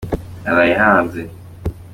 naraye hanze.